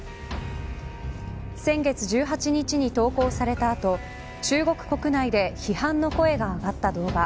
先月１８日に投稿された後中国国内で批判の声が上がった動画。